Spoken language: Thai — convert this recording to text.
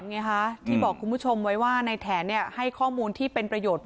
ไงคะที่บอกคุณผู้ชมไว้ว่าในแถนให้ข้อมูลที่เป็นประโยชน์